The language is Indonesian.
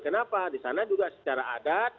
kenapa disana juga secara adat